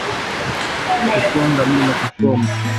Kukonda bila kukoma